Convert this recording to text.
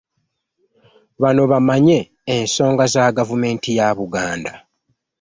Bano bamanye ensonga za gavumenti ya Buganda